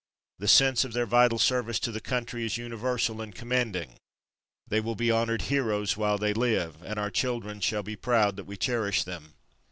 The sense of their vital service to the country is universal and commanding. They will be honored heroes while they live, and our children shall be proud that we cherish them.